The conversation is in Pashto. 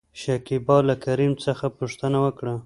شکيبا له کريم څخه پوښتنه وکړه ؟